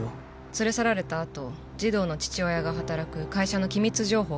連れ去られたあと児童の父親が働く会社の機密情報が漏れた。